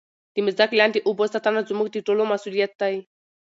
د مځکې لاندې اوبو ساتنه زموږ د ټولو مسؤلیت دی.